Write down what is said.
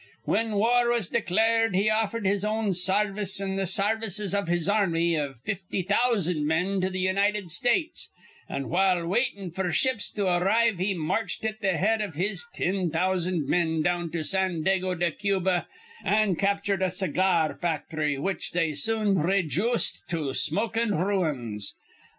Whin war was declared, he offered his own sarvice an' th' sarvices iv his ar rmy iv fifty thousan' men to th' United States; an', while waitin' f'r ships to arrive, he marched at th' head iv his tin thousan' men down to Sandago de Cuba an' captured a cigar facthry, which they soon rayjooced to smokin' ruins.